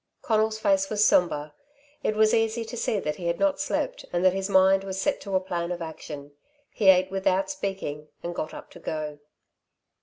Conal's face was sombre; it was easy to see that he had not slept and that his mind was set to a plan of action. He ate without speaking, and got up to go.